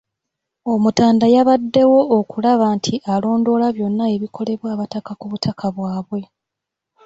Omutanda yabaddewo okulaba nti alondoola byonna ebikolebwa abataka ku butaka bwabwe.